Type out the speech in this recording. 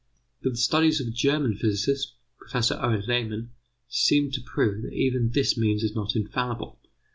But the studies of a German physicist, Professor O. Lehmann, seem to prove that even this means is not infallible.